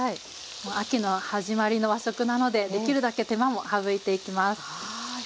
秋の始まりの和食なのでできるだけ手間も省いていきます。